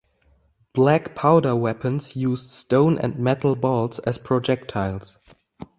Black-powder weapons use stone and metal balls as projectiles.